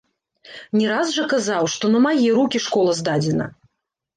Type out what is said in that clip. Не раз жа казаў, што на мае рукі школа здадзена.